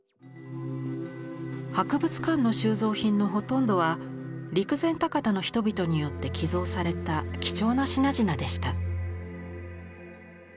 博物館の収蔵品のほとんどは陸前高田の人々によって寄贈された貴重な品々でした。